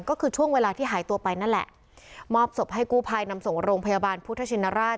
ก็คือช่วงเวลาที่หายตัวไปนั่นแหละมอบศพให้กู้ภัยนำส่งโรงพยาบาลพุทธชินราช